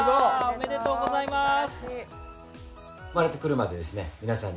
おめでとうございます！